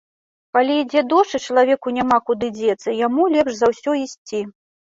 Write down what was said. Калі ідзе дождж і чалавеку няма куды дзецца, яму лепш за ўсё ісці.